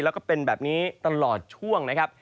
แล้วก็เป็นแบบนี้ตลอดช่วงนะครับ